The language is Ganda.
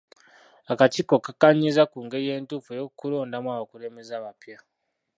Akakiiko kakaanyizza ku ngeri entuufu ey'okulondamu abakulembeze abapya.